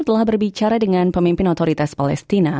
telah berbicara dengan pemimpin otoritas palestina